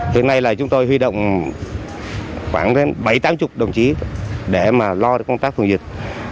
hiện nay chúng tôi huy động khoảng bảy mươi tám mươi đồng chí để lo công tác phòng dịch